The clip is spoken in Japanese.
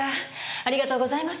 ありがとうございます。